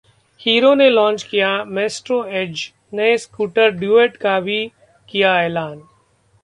Hero ने launch किया Maestro Edge, नए स्कूटर Duet का भी किया ऐलान